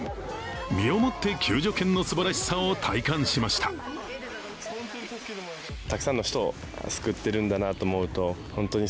身をもって、救助犬のすばらしさを体感しました。